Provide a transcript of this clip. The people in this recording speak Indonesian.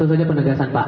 satu saja penegasan pak